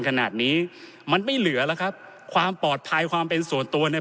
ขนาดนี้มันไม่เหลือแล้วครับความปลอดภัยความเป็นส่วนตัวเนี่ย